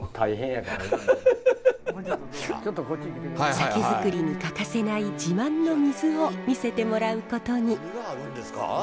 酒づくりに欠かせない自慢の水を見せてもらうことに。